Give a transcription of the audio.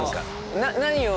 何を。